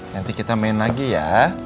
nanti kita main lagi ya